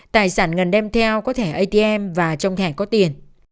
tài sản ngân đem theo có thẻ atm và trong thẻ có tiền